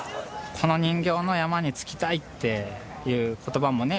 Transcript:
この人形の山笠につきたいという言葉もね